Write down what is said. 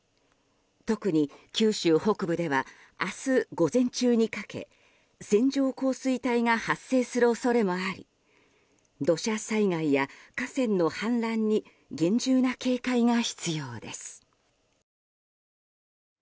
特に九州北部では明日午前中にかけ線状降水帯が発生する恐れもあり土砂災害や河川の氾濫に厳重な警戒が必要です。